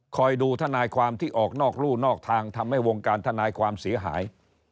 คอยดูทนายความที่ออกนอกรู่นอกทางทำให้วงการทนายความเสียหาย